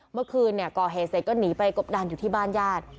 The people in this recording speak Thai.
เมื่อคืนเนี่ยกเฮเซกก็หนีไปกบดันอยู่ที่บ้านญาติ